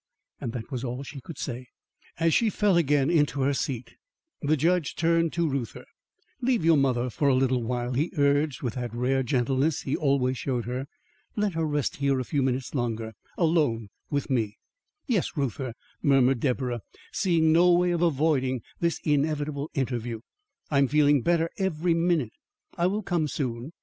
And that was all she could say. As she fell again into her seat, the judge turned to Reuther: "Leave your mother for a little while," he urged with that rare gentleness he always showed her. "Let her rest here a few minutes longer, alone with me." "Yes, Reuther," murmured Deborah, seeing no way of avoiding this inevitable interview. "I am feeling better every minute. I will come soon."